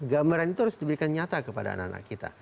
gambaran itu harus diberikan nyata kepada anak anak kita